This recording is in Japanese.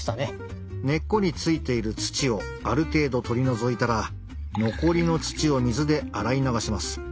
根っこに着いている土をある程度取り除いたら残りの土を水で洗い流します。